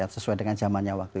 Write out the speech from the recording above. sesuai dengan zamannya waktu